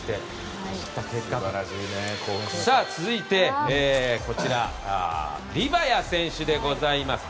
続いてリバヤ選手でございます。